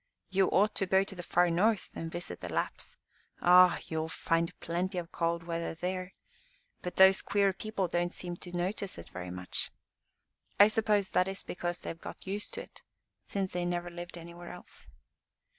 "You ought to go to the far north, and visit the Lapps. Ah! you will find plenty of cold weather there. But those queer people don't seem to notice it very much. I suppose that is because they have got used to it, since they never lived anywhere else."